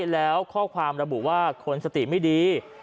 แล้วข้อความระบุว่าคนสติไม่ดี